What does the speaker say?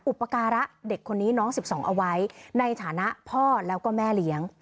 อุปการะเด็กคนนี้น้อง๑๒เอาไว้ในฐานะพ่อแล้วก็แม่เลี้ยง